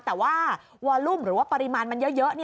แต่ว่าวอลุ่มหรือว่าปริมาณมันเยอะ